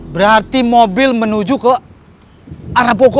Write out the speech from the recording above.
berarti mobil menuju ke arah bogor